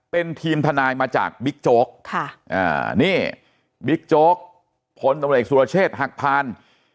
เป็นทีมทนายมาจากบิ๊กโจ๊กนี่บิ๊กโจ๊กพลตำรวจเอกสุรเชษฐ์หักพาน